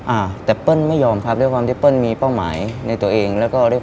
อ่าแต่เปิ้ลไม่ยอมครับด้วยความที่เปิ้ลมีเป้าหมายในตัวเองแล้วก็เรียก